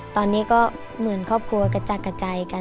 ตอนนี้ก็เหมือนครอบครัวกระจัดกระจายกัน